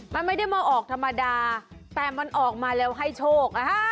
มันไม่ได้มาออกธรรมดาแต่มันออกมาแล้วให้โชค